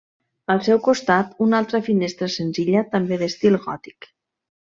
Al seu costat una altra finestra senzilla, també d'estil gòtic.